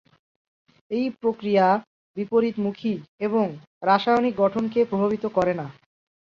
এই প্রক্রিয়া বিপরীতমুখী এবং রাসায়নিক গঠনকে প্রভাবিত করে না।